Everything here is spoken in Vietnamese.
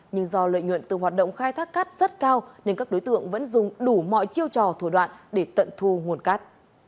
nhưng do lợi nhuận từ hoạt động khai thác cát rất cao nên các đối tượng vẫn dùng đủ mọi chiêu trò thủ đoạn để tận thu nguồn cát